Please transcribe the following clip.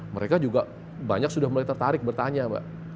mereka juga banyak sudah mulai tertarik bertanya mbak